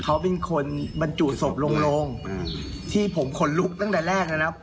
เขาเป็นคนบรรจุศพลงที่ผมขนลุกตั้งแต่แรกนะครับ